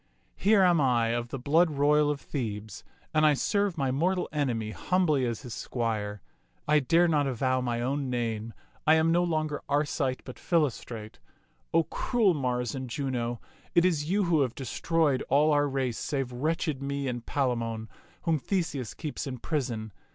Here am I of the blood royal of Thebes, and I serve my mortal enemy humbly as his squire. I dare not avow my own name. I am no longer Arcite, but Philostrate. O cruel Mars and Juno, it is you who have destroyed all our race save wretched me and Palamon, whom Theseus keeps in prison.